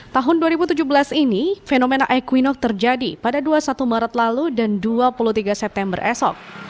tahun dua ribu tujuh belas ini fenomena equinox terjadi pada dua puluh satu maret lalu dan dua puluh tiga september esok